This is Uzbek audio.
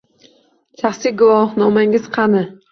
Shaxsiy guvohnomangiz qani?